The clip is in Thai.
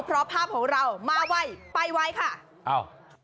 เพราะภาพของเรามาไว้ไปไว้ค่ะ